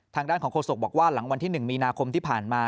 ทางด้านของโฆษกบอกว่าหลังวันที่๑มีนาคมที่ผ่านมา